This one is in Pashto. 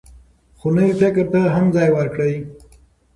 خو نوي فکر ته هم ځای ورکړئ.